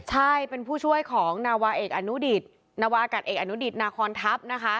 ใช่เป็นผู้ช่วยของนวาอากาศเอกอนุดิตนาคอนทัพ